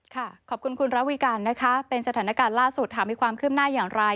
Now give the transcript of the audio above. ขอบคุณคุณระวิการนะคะเป็นสถานการณ์ล่าสุดถามมีความคืบหน้าอย่างไร